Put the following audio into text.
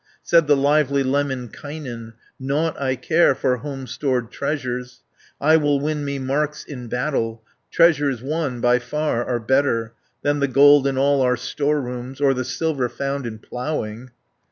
Said the lively Lemminkainen, "Nought I care for home stored treasures. 100 I will win me marks in battle, Treasures won by far are better, Than the gold in all our storerooms, Or the silver found in ploughing.